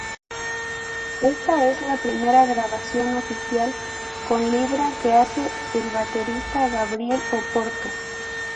Esta es la primera grabación oficial con Libra que hace el baterista Gabriel Oporto.